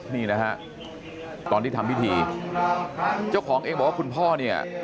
นี่นะฮะตอนที่ทำพิธีเจ้าของเองบอกว่าคุณพ่อเนี่ย